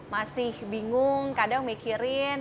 masih bingung kadang mikirin